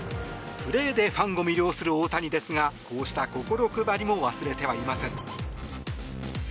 プレーでファンを魅了する大谷ですがこうした心配りも忘れてはいません。